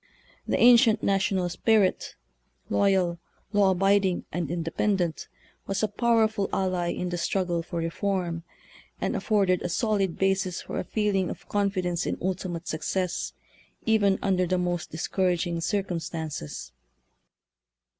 The ancient national spirit, loyal, law abiding, and independent, was a powerful ally in the struggle for reform, and af forded a solid basis for a feeling of confi dence in ultimate success, even under the most discouraging circumstances.